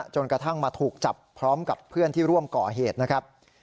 จนกระทั่งมาถูกจับพร้อมกับเพื่อนที่ร่วมก่อเหตุนะครับ